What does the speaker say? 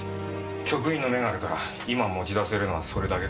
局員の目があるから今持ち出せるのはそれだけだ。